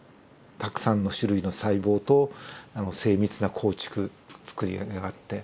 たくさんの種類の細胞と精密な構築つくりがあって。